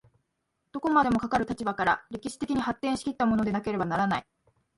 どこまでもかかる立場から歴史的に発展し来ったものでなければならない。